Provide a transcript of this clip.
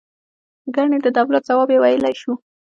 ګنې د دولت ځواب یې ویلای شو.